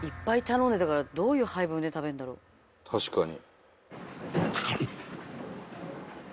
確かに。